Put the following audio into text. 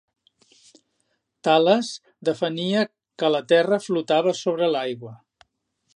Tales defenia que la terra flotava sobre l'aigua.